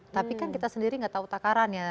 tapi kan kita sendiri gak tahu takarannya